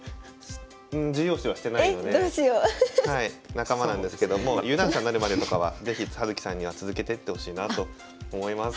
仲間なんですけども有段者になるまでとかは是非葉月さんには続けてってほしいなと思います。